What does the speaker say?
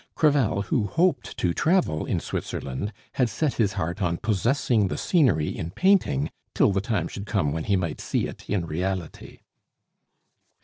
Crevel, who hoped to travel in Switzerland, had set his heart on possessing the scenery in painting till the time should come when he might see it in reality.